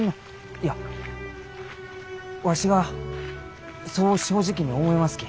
いやわしはそう正直に思いますき。